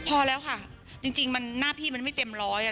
พอแล้วค่ะจริงหน้าพี่มันไม่เต็มร้อย